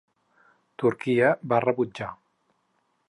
Turquia va rebutjar.